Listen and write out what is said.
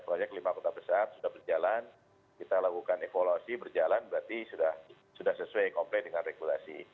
sebenarnya kelima kota besar sudah berjalan kita lakukan ekolosi berjalan berarti sudah sesuai dengan regulasi